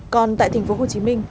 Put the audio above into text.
còn tại tp hcm